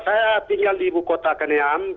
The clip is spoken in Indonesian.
saya tinggal di ibu kota keneam